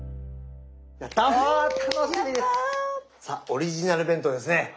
さあオリジナル弁当ですね。